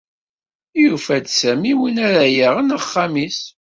Yufa-d Sami win ara yaɣen axxam-is.